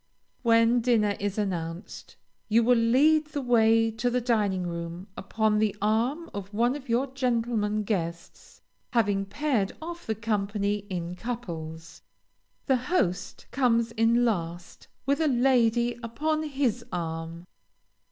When dinner is announced, you will lead the way to the dining room upon the arm of one of your gentlemen guests, having paired off the company in couples. The host comes in last with a lady upon his arm.